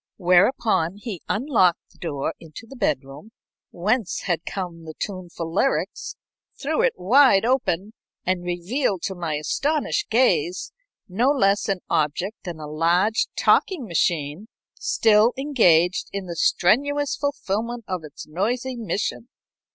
Whereupon he unlocked the door into the bedroom, whence had come the tuneful lyrics, threw it wide open, and revealed to my astonished gaze no less an object than a large talking machine still engaged in the strenuous fulfilment of its noisy mission.